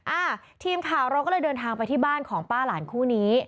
อ่าทีมข่าวเราก็เลยเดินทางไปที่บ้านของป้าหลานคู่นี้